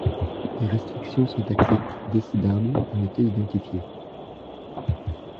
Des restrictions syntaxiques décidables ont été identifiées.